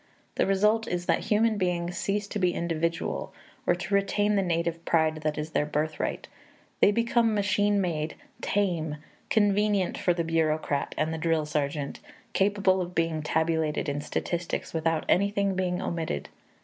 The result is that human beings cease to be individual, or to retain the native pride that is their birthright; they become machine made, tame, convenient for the bureaucrat and the drill sergeant, capable of being tabulated in statistics without anything being omitted.